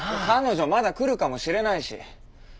彼女まだ来るかもしれないし。